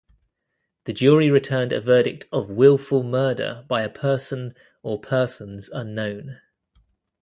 The jury returned a verdict of willful murder by a person or persons unknown.